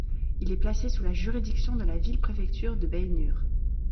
Il est placé sous la juridiction de la ville-préfecture de Baynnur.